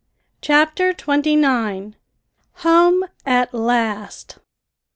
CHAPTER TWENTY NINE. HOME AT LAST!